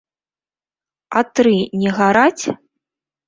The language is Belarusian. А тры не гараць!